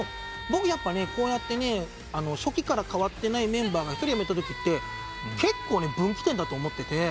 僕やっぱこうやって初期からかわってないメンバーが一人辞めたときって結構分岐点だと思ってて。